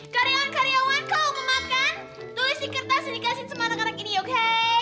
karyawan karyawan kalau mau makan tuisi kertas dikasih sama anak anak ini oke